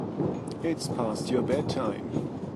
It's past your bedtime.